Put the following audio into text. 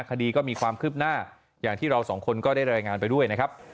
คดีก็มีความคืบหน้าอย่างที่เราสองคนก็ได้รายงานไปด้วยนะครับ